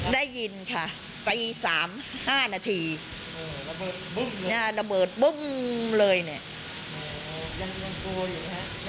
ได้ยินค่ะตีสามห้านาทีอ๋อระเบิดบึ้มระเบิดบึ้มเลยเนี่ย